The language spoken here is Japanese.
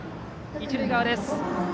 一塁側です。